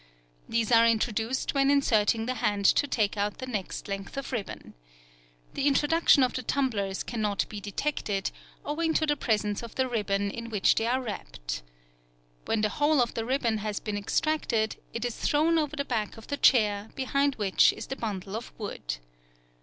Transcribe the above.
These are introduced when inserting the hand to take out the next length of ribbon. The introduction of the tumblers cannot be detected, owing to the presence of the ribbon in which they are wrapped. When the whole of the ribbon has been extracted, it is thrown over the back of the chair, behind which is the bundle of wood.